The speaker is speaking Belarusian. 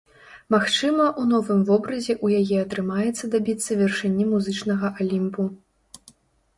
Магчыма, у новым вобразе ў яе атрымаецца дабіцца вяршыні музычнага алімпу.